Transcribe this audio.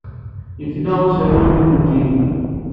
Yefla userwal-iw n lǧin.